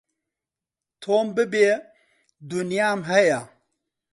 تۆم ببێ دونیام هەیە